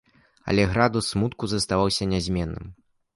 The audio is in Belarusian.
Але градус смутку заставаўся нязменным.